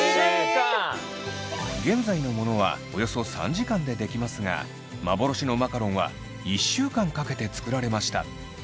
現在のものはおよそ３時間で出来ますが幻のマカロンは１週間かけて作られました。